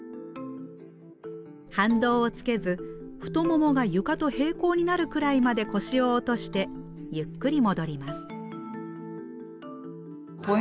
反動をつけず太ももが床と並行になるくらいまで腰を落としてゆっくり戻ります。